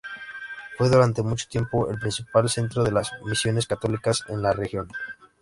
Fue durante mucho tiempo el principal centro de las misiones católicas en la región.